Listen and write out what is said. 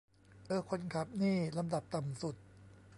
เอ้อ คนขับนี่ลำดับต่ำสุด